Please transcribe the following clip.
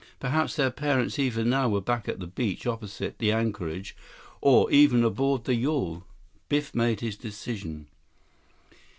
Perhaps their parents even now were back at the beach opposite the anchorage, or even aboard the yawl. Biff made his decision.